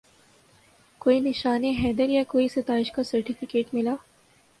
کوئی نشان حیدر یا کوئی ستائش کا سرٹیفکیٹ ملا